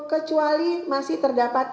kecuali masih terdapat